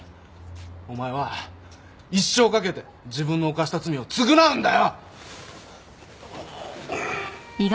お前は一生をかけて自分の犯した罪を償うんだよ！